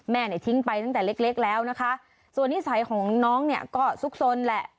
แม่เนี่ยทิ้งไปตั้งแต่เล็กเล็กแล้วนะคะส่วนนิสัยของน้องเนี่ยก็ซุกซนแหละ